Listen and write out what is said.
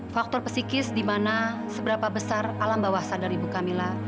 faktor pesikis dimana seberapa besar alam bawah sadar ibu kamila